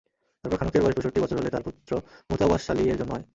তারপর খানূখের বয়স পঁয়ষট্টি বছর হলে তার পুত্র মুতাওয়াশশালিহ-এর জন্ম হয়।